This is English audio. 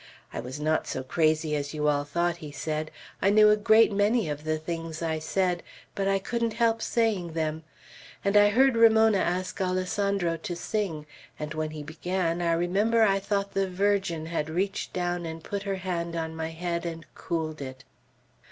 "I was not so crazy as you all thought," he said. "I knew a great many of the things I said, but I couldn't help saying them; and I heard Ramona ask Alessandro to sing; and when he began, I remember I thought the Virgin had reached down and put her hand on my head and cooled it."